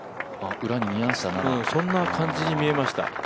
そんな感じに見えました。